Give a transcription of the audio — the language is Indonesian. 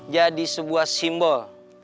jadi sebuah simbol